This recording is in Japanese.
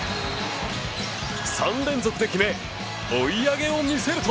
３連続で決め追い上げを見せると。